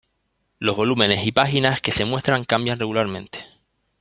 Los volúmenes y páginas que se muestran cambian regularmente.